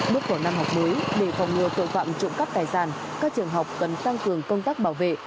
bước vào năm học mới để phòng ngừa tội phạm trộm cắp tài sản các trường học cần tăng cường công tác bảo vệ